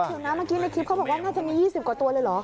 เดี๋ยวนะเมื่อกี้ในคลิปเขาบอกว่าน่าจะมี๒๐กว่าตัวเลยเหรอ